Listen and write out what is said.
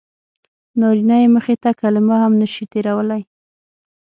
نارینه یې مخې ته کلمه هم نه شي تېرولی.